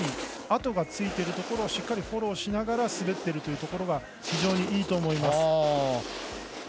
跡がついているところをしっかりフォローしながら滑ってるところが非常にいいと思います。